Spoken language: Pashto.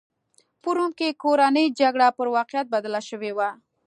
په روم کې کورنۍ جګړه پر واقعیت بدله شوې وه.